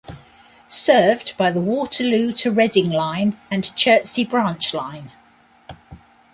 Served by the Waterloo to Reading Line and Chertsey Branch Line.